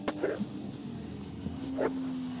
მშვენივრად შევასრულეთ ამოცანა.